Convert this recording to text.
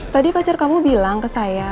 tadi pacar kamu bilang ke saya